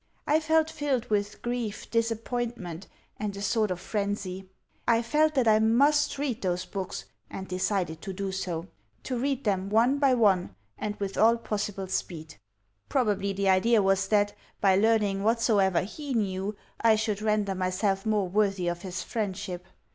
I felt filled with grief, disappointment, and a sort of frenzy. I felt that I MUST read those books, and decided to do so to read them one by one, and with all possible speed. Probably the idea was that, by learning whatsoever HE knew, I should render myself more worthy of his friendship.